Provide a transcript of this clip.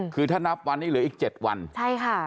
คือถ้านับวันนี้เหลืออีก๗วันใช่ค่ะ